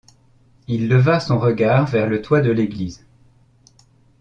Il leva son regard vers le toit de l’église.